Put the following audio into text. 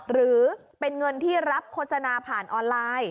หรือเป็นเงินที่รับโฆษณาผ่านออนไลน์